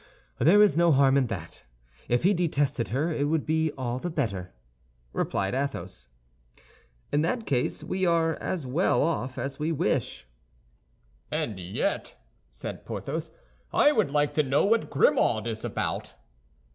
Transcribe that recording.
"There is no harm in that. If he detested her, it would be all the better," replied Athos. "In that case we are as well off as we wish." "And yet," said Porthos, "I would like to know what Grimaud is about."